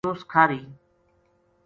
یونس کھاہری